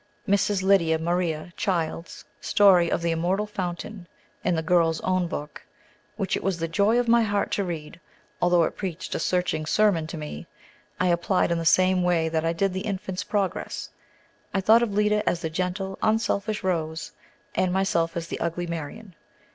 Mrs. Lydia Maria Child's story of "The Immortal Fountain," in the "Girl's Own Book," which it was the joy of my heart to read, although it preached a searching sermon to me, I applied in the same way that I did the "Infant's Progress." I thought of Lida as the gentle, unselfish Rose, and myself as the ugly Marion.